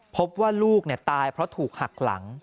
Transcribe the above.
พบว่าลูกตายเพราะถูกหักหลัง